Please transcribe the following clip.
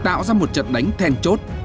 trong đó việc tạo ra một trận đánh thèn chốt